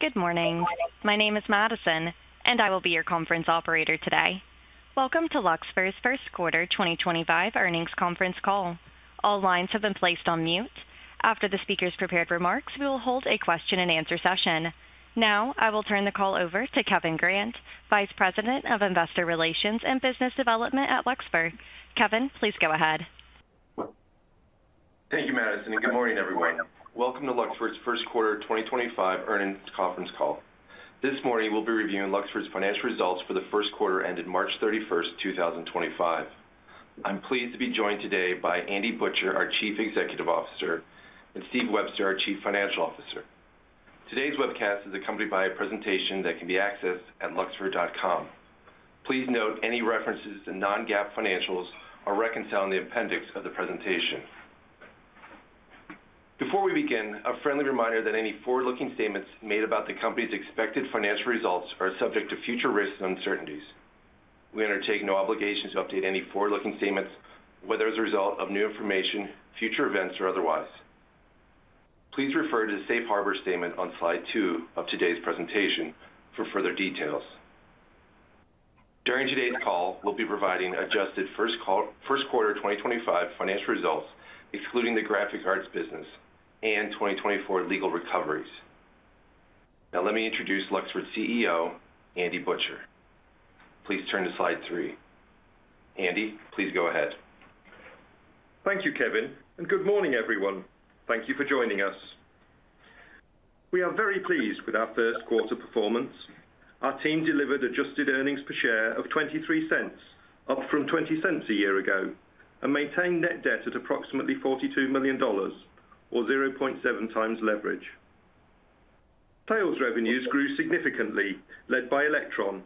Good morning. My name is Madison and I will be your conference operator today. Welcome to Luxfer's First Quarter 2025 Earnings Conference Call. All lines have been placed on mute. After the speaker's prepared remarks, we will hold a question and answer session. Now I will turn the call over to Kevin Grant, Vice President of Investor Relations and Business Development at Luxfer. Kevin, please go ahead. Thank you, Madison and good morning everyone. Welcome to Luxfer's First Quarter 2025 Earnings Conference Call. This morning we'll be reviewing Luxfer's financial results for the first quarter ended March 31, 2025. I'm pleased to be joined today by Andy Butcher, our Chief Executive Officer, and Steve Webster, our Chief Financial Officer. Today's webcast is accompanied by a presentation that can be accessed at luxfer.com. Please note any references to non-GAAP financials are reconciled in the appendix of the presentation. Before we begin, a friendly reminder that any forward-looking statements made about the company's expected financial results are subject to future risks and uncertainties. We undertake no obligation to update any forward-looking statements, whether as a result of new information, future events or otherwise. Please refer to the Safe Harbor statement on slide two of today's presentation for further details. During today's call, we'll be providing adjusted first quarter 2025 financial results excluding the graphic arts and 2024 legal recoveries. Now let me introduce Luxfer CEO Andy Butcher. Please turn to Slide three. Andy, please go ahead. Thank you, Kevin, and good morning everyone. Thank you for joining us. We are very pleased with our first quarter performance. Our team delivered adjusted earnings per share of $0.23, up from $0.20 a year ago, and maintained net debt at approximately $42 million or 0.7x leverage tails. Revenues grew significantly, led by Elektron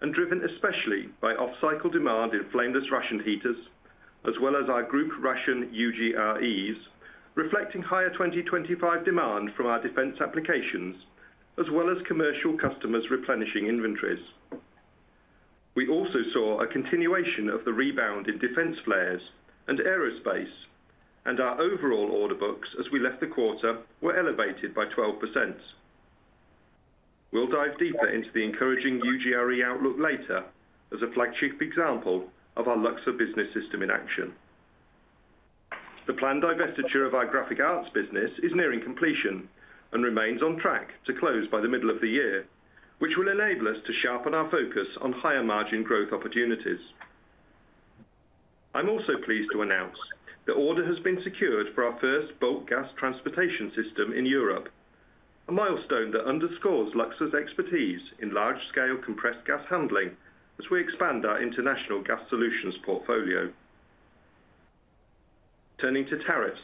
and driven especially by off cycle demand in flameless ration heaters as well as our group ration UGR-Es reflecting higher 2025 demand from our defense applications as well as commercial customers replenishing inventories. We also saw a continuation of the rebound in defense flares and aerospace, and our overall order books as we left the quarter were elevated by 12%. We will dive deeper into the encouraging UGR-E outlook later as a flagship example of our Luxfer business system in action. The planned divestiture of our graphic arts business is nearing completion and remains on track to close by the middle of the year, which will enable us to sharpen our focus on higher margin growth opportunities. I'm also pleased to announce the order has been secured for our first Bulk Gas Transportation System in Europe, a milestone that underscores Luxfer's expertise in large scale compressed gas handling as we expand our International Gas Solutions portfolio. Turning to tariffs,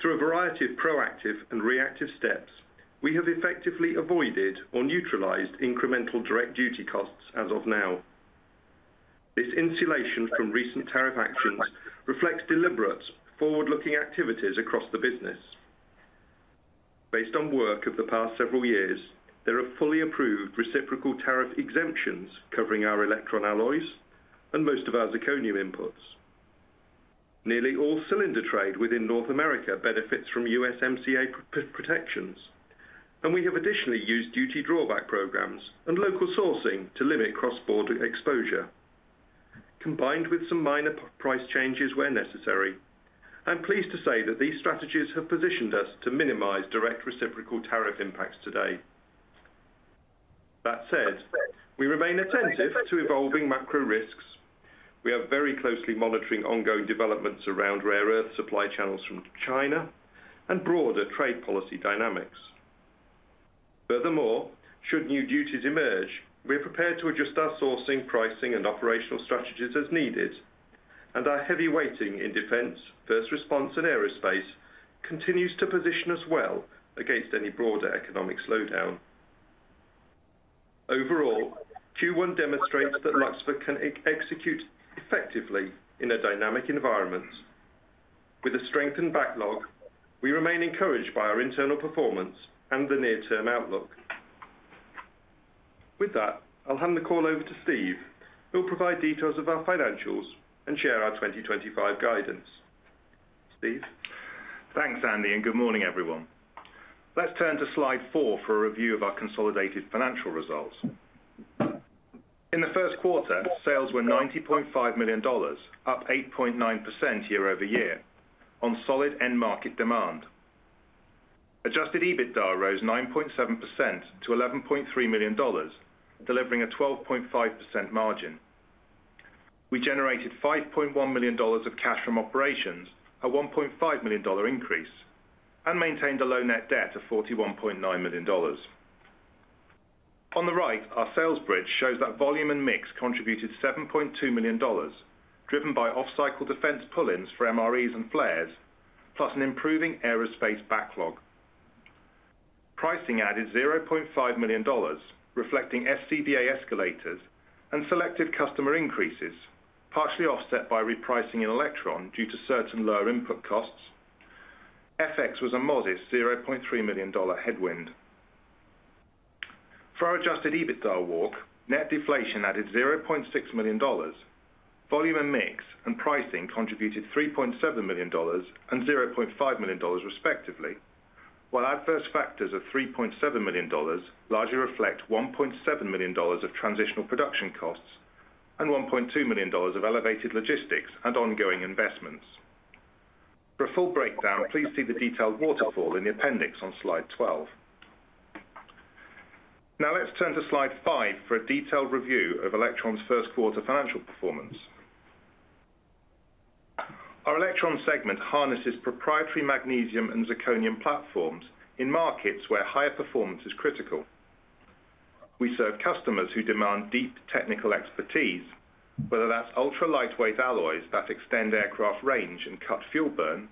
through a variety of proactive and reactive steps, we have effectively avoided or neutralized incremental direct duty costs as of now. This insulation from recent tariff actions reflects deliberate forward looking activities across the business based on work of the past several years. There are fully approved reciprocal tariff exemptions covering our Elektron alloys and most of our zirconium inputs. Nearly all cylinder trade within North America benefits from USMCA protections and we have additionally used duty drawback programs and local sourcing to limit cross-border exposure combined with some minor price changes where necessary. I'm pleased to say that these strategies have positioned us to minimize direct reciprocal tariff impacts today. That said, we remain attentive to evolving macro risks. We are very closely monitoring ongoing developments around rare earth supply channels from China and broader trade policy dynamics. Furthermore, should new duties emerge, we are prepared to adjust our sourcing, pricing, and operational strategies as needed and our heavy weighting in defense, first response, and aerospace continues to position us well against any broader economic slowdown. Overall, Q1 demonstrates that Luxfer can execute effectively in a dynamic environment with a strengthened backlog. We remain encouraged by our internal performance and the near-term outlook. With that, I'll hand the call over to Steve who will provide details of our financials and share our 2025 guidance. Steve, thanks Andy, and good morning everyone. Let's turn to Slide four for a review of our consolidated financial results. In the first quarter, sales were $90.5 million, up 8.9% year-over-year on solid end market demand. Adjusted EBITDA rose 9.7% to $11.3 million, delivering a 12.5% margin. We generated $5.1 million of cash from operations, a $1.5 million increase, and maintained a low net debt of $41.9 million. On the right, our sales bridge shows that volume and mix contributed $7.2 million, driven by off cycle defense pull-ins for MREs and flares plus an improving aerospace backlog. Pricing added $0.5 million, reflecting SCBA escalators and selected customer increases, partially offset by repricing in Elektron due to certain lower input costs. FX was a modest $0.3 million headwind for our adjusted EBITDA walk. Net deflation added $0.6 million. Volume and mix and pricing contributed $3.7 million and $0.5 million respectively, while adverse factors of $3.7 million largely reflect $1.7 million of transitional production costs and $1.2 million of elevated logistics and ongoing investments. For a full breakdown, please see the detailed waterfall in the Appendix on slide 12. Now let's turn to slide five for a detailed review of Elektron's first quarter financial performance. Our Elektron segment harnesses proprietary magnesium and zirconium platforms in markets where higher performance is critical. We serve customers who demand deep technical expertise whether that's ultra lightweight alloys that extend aircraft range and cut fuel burn,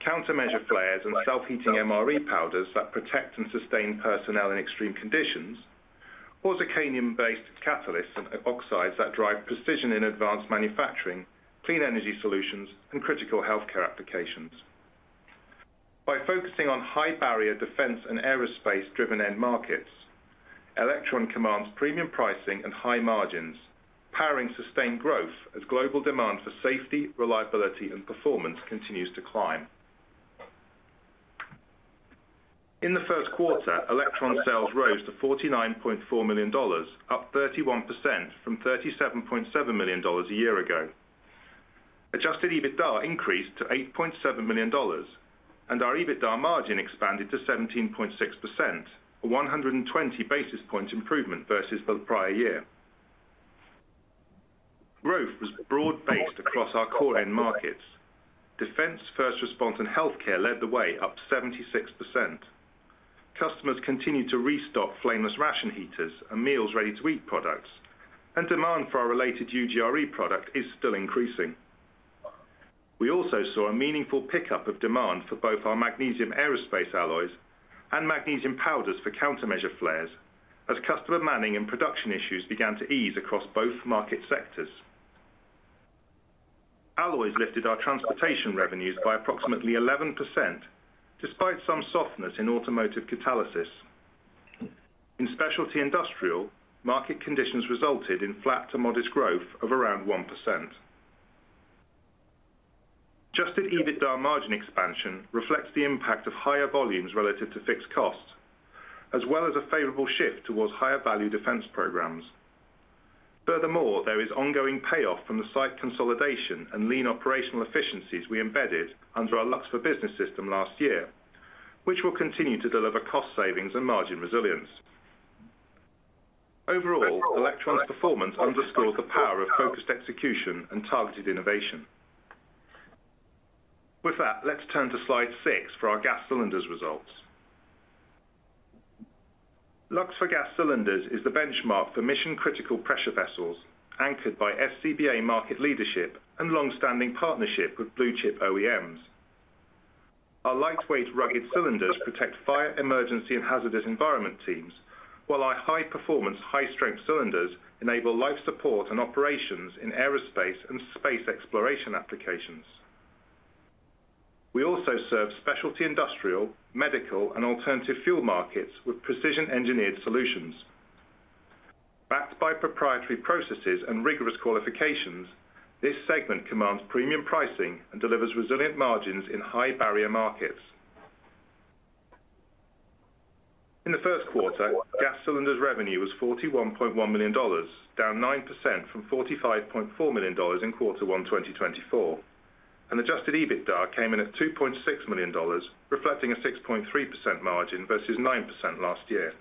countermeasure flares and self-heating MRE powders that protect and sustain personnel in extreme conditions, or zirconium-based catalysts and oxides that drive precision in advanced manufacturing, clean energy solutions, and critical healthcare applications. By focusing on high barrier defense and aerospace driven end markets, Elektron commands premium pricing and high margins powering sustained growth as global demand for safety, reliability and performance continues to climb. In the first quarter, Elektron sales rose to $49.4 million, up 31% from $37.7 million a year ago. Adjusted EBITDA increased to $8.7 million and our EBITDA margin expanded to 17.6%, a 120 basis point improvement versus the prior year. Growth was broad based across our core end markets. Defense, first response and healthcare led the way, up 76%. Customers continued to restock flameless ration heaters and meals ready to eat products and demand for our related UGR-E product is still increasing. We also saw a meaningful pickup of demand for both our magnesium aerospace alloys and magnesium powders for countermeasure flares as customer manning and production issues began to ease across both market sectors. Alloys lifted our transportation revenues by approximately 11%. Despite some softness in automotive catalysis in specialty industrial market conditions resulted in flat to modest growth of around 1%. Adjusted EBITDA margin expansion reflects the impact of higher volumes relative to fixed cost as well as a favorable shift towards higher value defense programs. Furthermore, there is ongoing payoff from the site consolidation and lean operational efficiencies we embedded under our Luxfer Business system last year which will continue to deliver cost savings and margin resilience. Overall, Elektron's performance underscores the power of focused execution and targeted innovation. With that, let's turn to slide six for our Gas Cylinders. Results. Luxfer Gas Cylinders is the benchmark for mission critical pressure vessels anchored by SCBA, market leadership and long standing partnership with blue chip OEMs. Our lightweight rugged cylinders protect fire, emergency and hazardous environment teams while our high performance high strength cylinders enable life support and operations in aerospace and space exploration applications. We also serve specialty industrial, medical and alternative fuel markets with precision engineered solutions backed by proprietary processes and rigorous qualifications. This segment commands premium pricing and delivers resilient margins in high barrier markets. In the first quarter, Gas Cylinders revenue was $41.1 million, down 9% from $45.4 million in quarter one 2024 and adjusted EBITDA came in at $2.6 million reflecting a 6.3% margin versus 9% last year.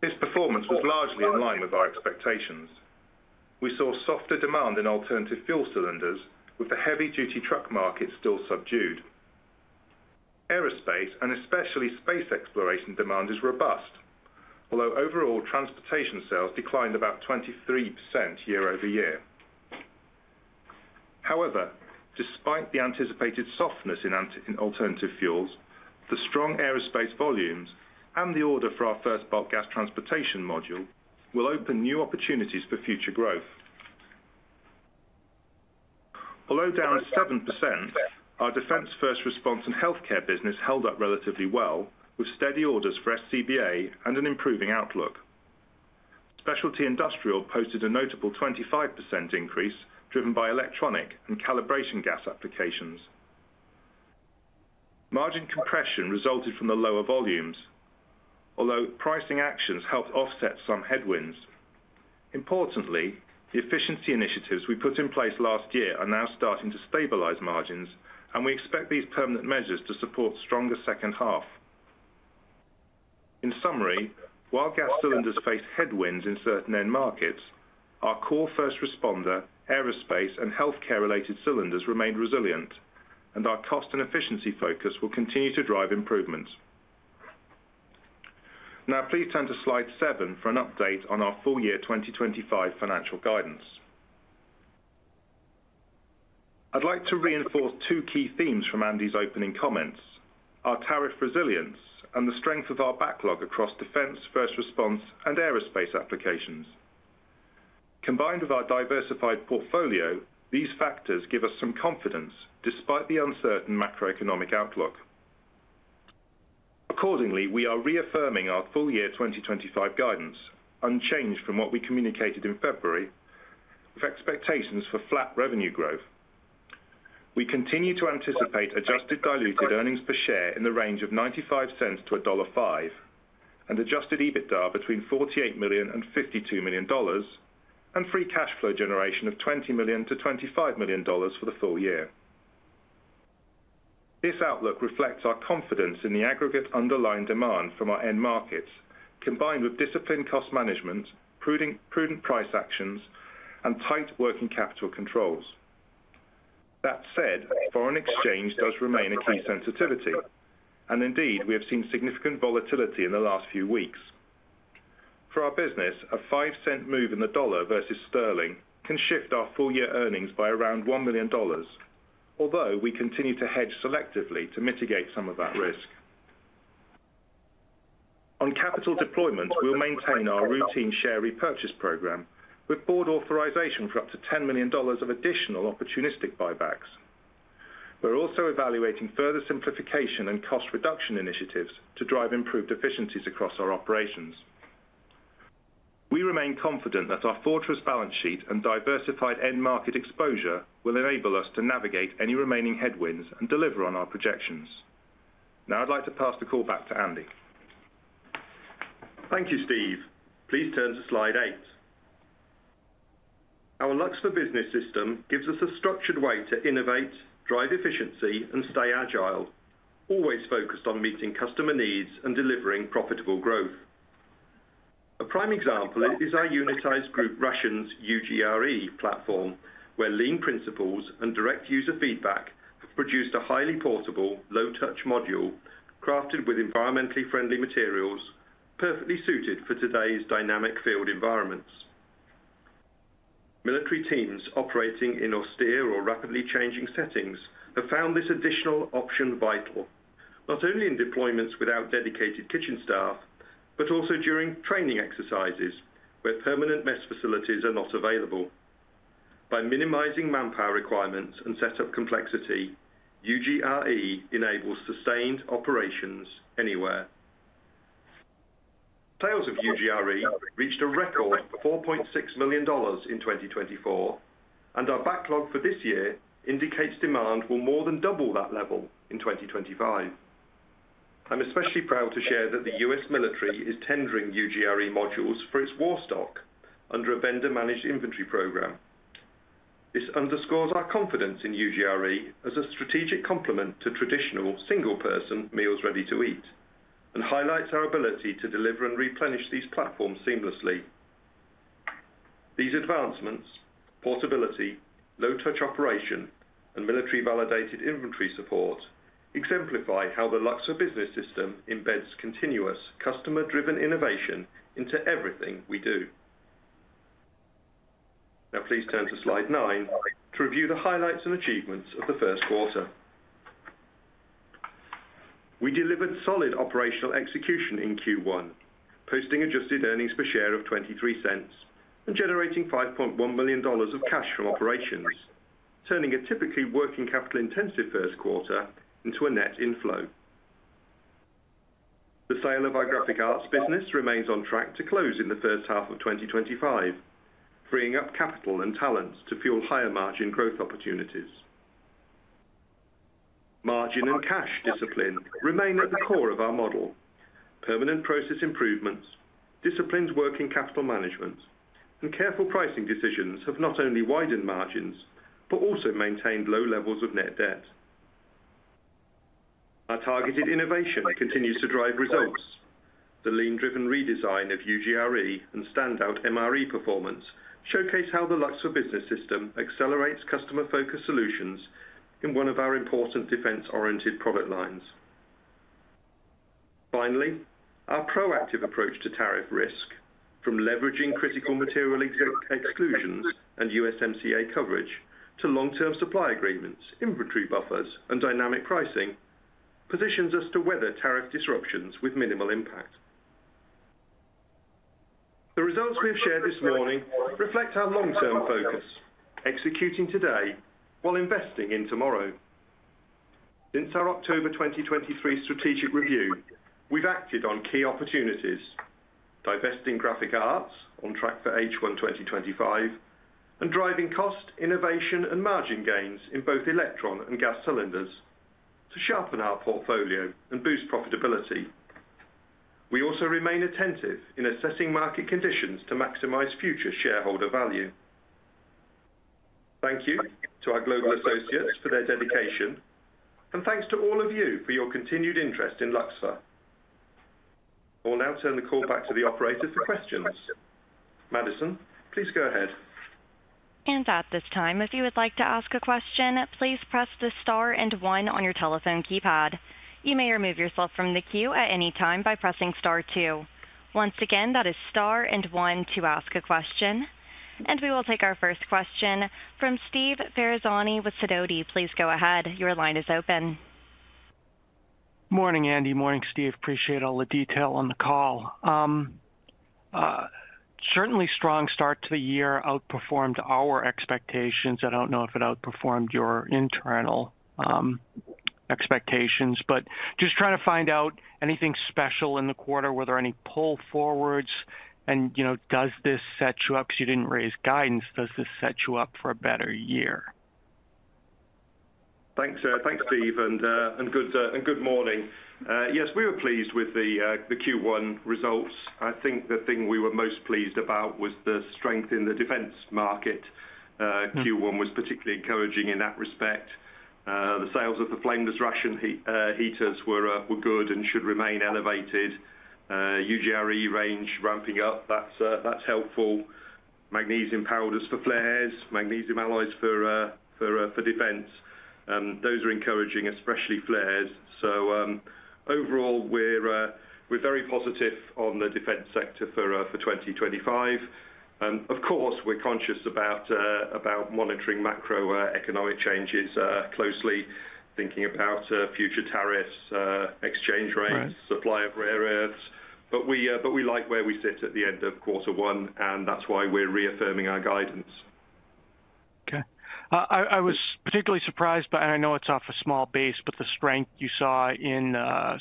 This performance was largely in line with our expectations. We saw softer demand in alternative fuel cylinders with the heavy duty truck market still subdued. Aerospace and especially space exploration demand is robust, although overall transportation sales declined about 23% year-over-year. However, despite the anticipated softness in alternative fuels, the strong aerospace volumes and the order for our first Bulk Gas Transportation Module will open new opportunities for future growth. Although down 7%, our defense, first response, and healthcare business held up relatively well with steady orders for SCBA and an improving outlook. Specialty industrial posted a notable 25% increase driven by electronic and calibration gas applications. Margin compression resulted from the lower volumes, although pricing actions helped offset some headwinds. Importantly, the efficiency initiatives we put in place last year are now starting to stabilize margins and we expect these permanent measures to support a stronger second half. In summary, while Gas Cylinders face headwinds in certain end markets, our core first responder, aerospace and healthcare related cylinders remained resilient and our cost and efficiency focus will continue to drive improvements. Now please turn to Slide seven for an update on our full year 2025 financial guidance. I'd like to reinforce two key themes from Andy's opening comments: our tariff resilience and the strength of our backlog across defense, first response and aerospace applications. Combined with our diversified portfolio, these factors give us some confidence despite the uncertain macroeconomic outlook. Accordingly, we are reaffirming our full year 2025 guidance unchanged from what we communicated in February with expectations for flat revenue growth. We continue to anticipate adjusted diluted earnings per share in the range of $0.95-$1.05 and adjusted EBITDA between $48 million-$52 million and free cash flow generation of $20 million-$25 million for the full year. This outlook reflects our confidence in the aggregate underlying demand from our end markets combined with disciplined cost management, prudent price actions, and tight working capital controls. That said, foreign exchange does remain a key sensitivity and indeed we have seen significant volatility in the last few weeks for our business. A $0.05 move in the dollar versus sterling can shift our full year earnings by around $1 million, although we continue to hedge selectively to mitigate some of that risk on capital deployment. We will maintain our routine share repurchase program with board authorization for up to $10 million of additional opportunistic buybacks. We're also evaluating further simplification and cost reduction initiatives to drive improved efficiencies across our operations. We remain confident that our fortress balance sheet and diversified end market exposure will enable us to navigate any remaining headwinds and deliver on our projections. Now I'd like to pass the call back to Andy. Thank you, Steve. Please turn to Slide eight. Our Luxfer Business System gives us a structured way to innovate, drive efficiency, and stay agile, always focused on meeting customer needs and delivering profitable growth. A prime example is our Unitized Group Ration UGR-E platform, where lean principles and direct user feedback have produced a highly portable, low-touch module crafted with environmentally friendly materials perfectly suited for today's dynamic field environments. Military teams operating in austere or rapidly changing settings have found this additional option vital not only in deployments without dedicated kitchen staff, but also during training exercises where permanent mess facilities are not available. By minimizing manpower requirements and setup complexity, UGR-E enables sustained operations anywhere. Sales of UGR-E reached a record $4.6 million in 2024, and our backlog for this year indicates demand will more than double that level in 2025. I'm especially proud to share that the U.S. military is tendering UGR-E modules for its war stock under a vendor managed inventory program. This underscores our confidence in UGR-E as a strategic complement to traditional single person meals ready to eat and highlights our ability to deliver and replenish these platforms seamlessly. These advancements, portability, low touch operation and military validated inventory support exemplify how the Luxfer business system embeds continuous customer driven innovation into everything we do. Now please turn to Slide nine to review the highlights and achievements of the first quarter. We delivered solid operational execution in Q1, posting adjusted earnings per share of $0.23 and generating $5.1 million of cash from operations, turning a typically working capital intensive first quarter into a net inflow. The sale of our Graphic Arts Business remains on track to close in the first half of 2025, freeing up capital and talents to fuel higher margin growth opportunities. Margin and cash discipline remain at the core of our model. Permanent process improvements, disciplined working capital management and careful pricing decisions have not only widened margins but also maintained low levels of net debt. Our targeted innovation continues to drive results. The lean-driven redesign of UGR-E and standout MRE performance showcase how the Luxfer business system accelerates customer-focused solutions in one of our important defense-oriented product lines. Finally, our proactive approach to tariff risk from leveraging critical material exclusions and USMCA coverage to long-term supply agreements, inventory buffers and dynamic pricing positions us to weather tariff disruptions with minimal impact. The results we have shared this morning reflect our long term focusing today while investing in tomorrow. Since our October 2023 strategic review, we've acted on key divesting, graphic arts on track for H1 2025 and driving cost, innovation and margin gains in both Elektron and Gas Cylinders to sharpen our portfolio and boost profitability. We also remain attentive in assessing market conditions to maximize future shareholder value. Thank you to our global associates for their dedication and thanks to all of you for your continued interest in Luxfer. I will now turn the call back to the operator for questions. Madison, please go ahead and at this. Time, if you would like to ask a question, please press the star and one on your telephone keypad. You may remove yourself from the queue at any time by pressing star two. Once again, that is star and one to ask a question. We will take our first question from Steve Ferazani with Sidoti. Please go ahead. Your line is open. Morning, Andy. Morning, Steve. Appreciate all the detail on the call. Certainly strong start to the year. Outperformed our expectations. I don't know if it outperformed your internal expectations, but just trying to find out if anything special in the quarter, were there any pull forwards and, you know, does this set you up because you didn't raise guidance? Does this set you up for a better year? Thanks. Thanks Steve and good morning. Yes, we were pleased with the Q1 results. I think the thing we were most pleased about was the strength in the defense market. Q1 was particularly encouraging in that respect. The sales of the flameless ration heaters were good and should remain elevated. UGR-E range ramping up, that's helpful. Magnesium powders for flares, magnesium alloys for defense. Those are encouraging, especially flares. Overall we're very positive on the defense sector for 2025. Of course we're conscious about monitoring macroeconomic changes, closely thinking about future tariffs, exchange rates, supply of rare earths. We like where we sit at the end of quarter one and that's why we're reaffirming our guidance. Okay. I was particularly surprised, but I know it's off a small base, but the strength you saw in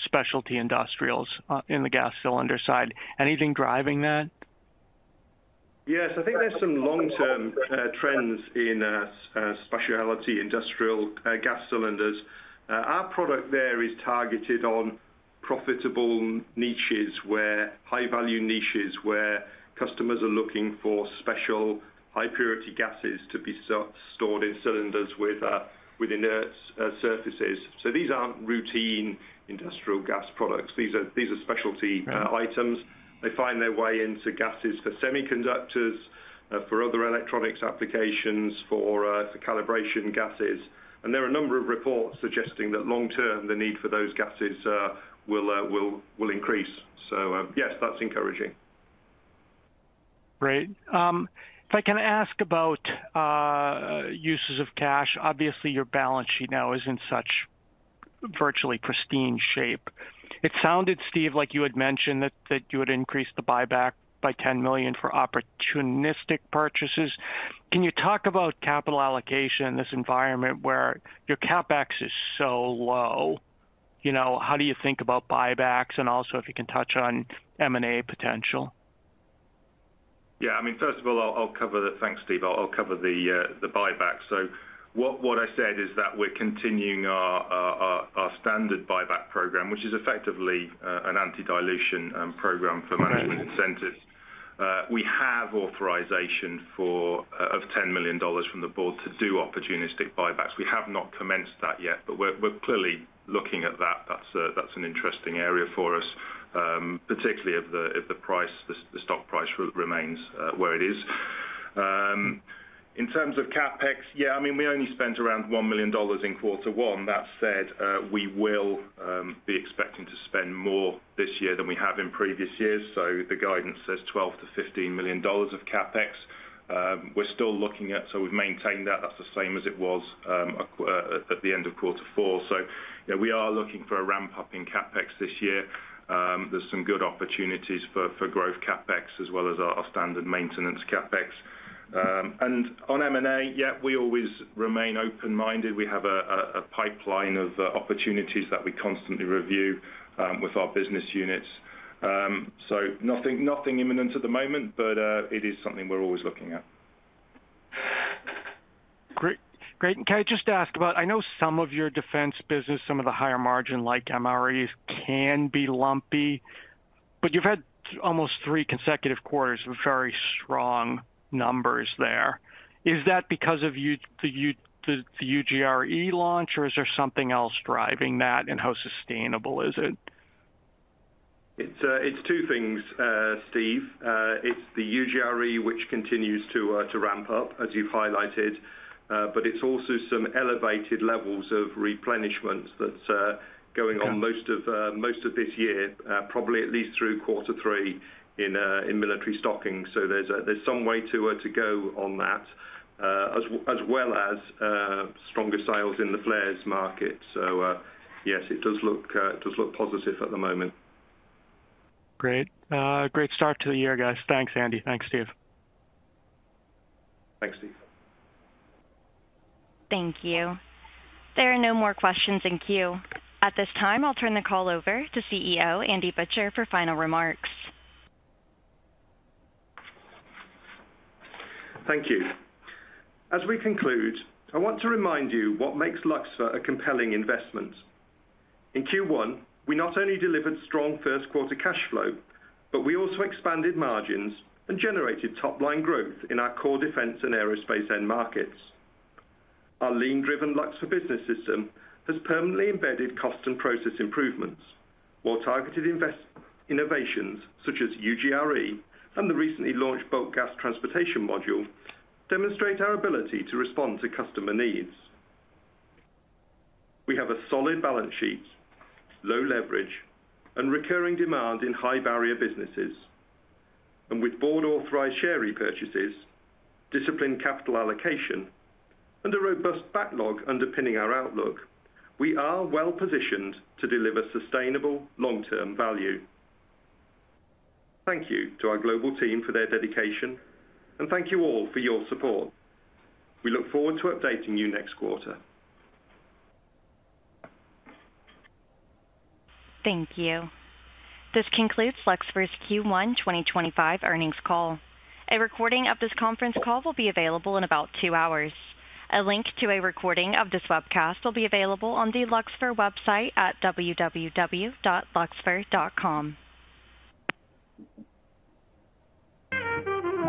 specialty industrials in the gas cylinder side. Anything driving that? Yes, I think there's some long term trends in specialty industrial Gas Cylinders. Our product there is targeted on profitable niches, where high value niches where customers are looking for special high purity gases to be stored in cylinders with inert surfaces. These aren't routine industrial gas products, these are specialty items. They find their way into gases for semiconductors, for other electronics applications, for calibration gases, and there are a number of reports suggesting that long term the need for those gases will increase. Yes, that's encouraging. Great. If I can ask about uses of cash, obviously your balance sheet now is in such virtually pristine shape. It sounded, Steve, like you had mentioned that you had increased the buyback by $10 million for opportunistic purchases. Can you talk about capital allocation? This environment where your CapEx is so low, you know, how do you think about buybacks? And also if you can touch on M&A potential. Yeah, I mean first of all I'll cover that. Thanks Steve. I'll cover the buyback. What I said is that we're continuing our standard buyback program which is effectively an anti dilution program for management incentives. We have authorization for $10 million from the board to do opportunistic buybacks. We have not commenced that yet. We're clearly looking at that. That's an interesting area for us particularly if the price, the stock price remains where it is. In terms of CapEx. Yeah, I mean we only spent around $1 million in quarter one. That said, we will be expecting to spend more this year than we have in previous years. The guidance says $12-$15 million of CapEx we're still looking at. We've maintained that, that's the same as it was at the end of quarter four. We are looking for a ramp up in CapEx this year. There's some good opportunities for growth CapEx as well as our standard maintenance CapEx and on M&A. Yes, we always remain open minded. We have a pipeline of opportunities that we constantly review with our business units. Nothing imminent at the moment but it is something we're always looking at. Great, great. Just to ask about, I know some of your defense business, some of the higher margin like MREs can be lumpy, but you've had almost three consecutive quarters of very strong numbers there. Is that because of the UGR-E launch or is there something else driving that and how sustainable is it? It's two things, Steve. It's the UGR-E, which continues to ramp up as you've highlighted, but it's also some elevated levels of replenishments that's going on most of this year, probably at least through quarter three in military stocking. There's some way to go on that as well as stronger sales in the flares market. Yes, it does look positive at the moment. Great. Great start to the year guys. Thanks Andy. Thanks Steve. Thanks Steve. Thank you. There are no more questions in queue at this time. I'll turn the call over to CEO Andy Butcher for final remarks. Thank you. As we conclude, I want to remind you what makes Luxfer a compelling investment in Q1. We not only delivered strong first quarter cash flow but we also expanded margins and generated top line growth in our core defense and aerospace end markets. Our lean driven Luxfer Business System has permanently embedded cost and process improvements, while targeted innovations such as UGR-E and the recently launched Bulk Gas Transportation Module demonstrate our ability to respond to customer needs. We have a solid balance sheet, low leverage and recurring demand in high barrier businesses. With board authorized share repurchases, disciplined capital allocation and a robust backlog underpinning our outlook, we are well positioned to deliver sustainable long term value. Thank you to our global team for their dedication and thank you all for your support. We look forward to updating you next quarter. Thank you. This concludes Luxfer's Q1 2025 Earnings Call. A recording of this conference call will be available in about two hours. A link to a recording of this webcast will be available on the Luxfer website at www.luxfer.com.